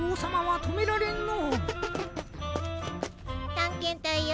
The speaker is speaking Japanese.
たんけんたいよ。